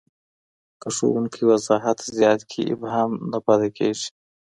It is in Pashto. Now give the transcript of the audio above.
که ښوونکی وضاحت زیات کړي، ابهام نه پاته کېږي.